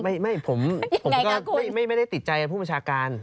ไม่ผมก็ไม่ได้ติดใจผู้บัญชาการ